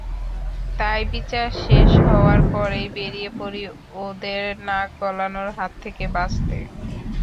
তাই বিচার শেষ হওয়ার পরেই বেরিয়ে পড়ি, ওদের নাক গলানোর হাত থেকে বাঁচতে।